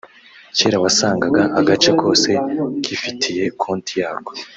kera wasangaga agace kose kifitiye konti yako